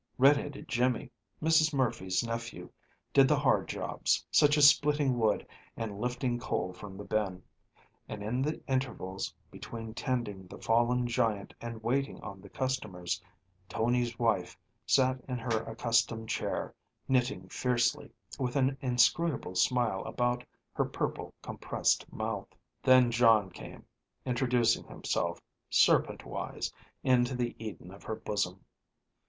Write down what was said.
Red headed Jimmie, Mrs. Murphy's nephew, did the hard jobs, such as splitting wood and lifting coal from the bin; and in the intervals between tending the fallen giant and waiting on the customers, Tony's wife sat in her accustomed chair, knitting fiercely, with an inscrutable smile about her purple compressed mouth. Then John came, introducing himself, serpent wise, into the Eden of her bosom.